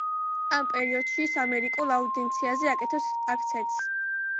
ამ პერიოდში ის ამერიკულ აუდიენციაზე აკეთებს აქცენტს.